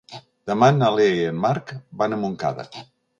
Demà na Lea i en Marc van a Montcada.